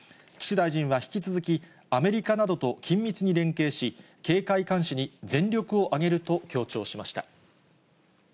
岸大臣は引き続き、アメリカなどと緊密に連携し、警戒監視に全力を挙げると強調しました。